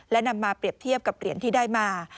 และนำมาเปรียบเทียบกับเหรียญที่ได้มา